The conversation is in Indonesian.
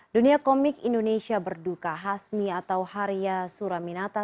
dunia komik indonesia berduka hasmi atau haria suraminata